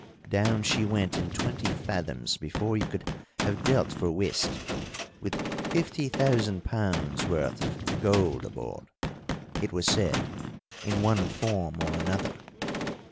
Down she went in twenty fathoms before you could have dealt for whist, with fifty thousand pounds worth of gold aboard, it was said, in one form or another."